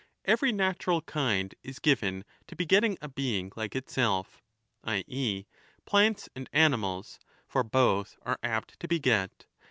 Every natural kind is given to begetting a being like itself, i. e. plants and animals ; for both are apt to beget.